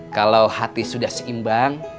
kalau hati sudah seimbang